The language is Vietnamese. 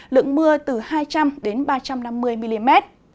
lượng mưa từ hai trăm linh đến ba trăm năm mươi mm